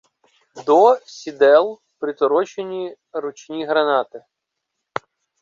До сідел приторочені ручні гранати.